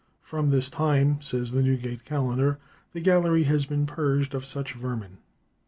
From this time," says the "Newgate Calendar," "the gallery has been purged of such vermin."